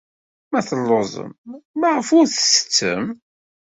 Ma telluẓem, maɣef ur tettettem?